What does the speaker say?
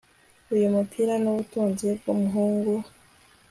Uyu mupira nubutunzi bwumuhungu